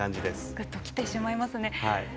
ぐっときてしまいますね。